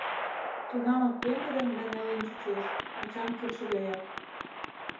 Тунамак пеҥгыдын да нелын чучеш — ачан кидше гаяк.